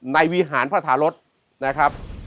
ในวิหารพระท่ารถนะครับ